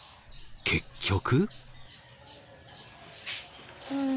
結局。